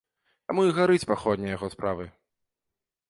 Таму і гарыць паходня яго справы.